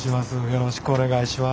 よろしくお願いします。